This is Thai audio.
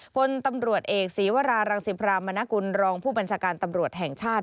พลตำรวจเอกศีวรารังสิพรามนกุลรองผู้บัญชาการตำรวจแห่งชาติ